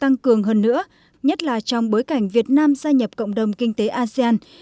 tăng cường hơn nữa nhất là trong bối cảnh việt nam gia nhập cộng đồng kinh tế asean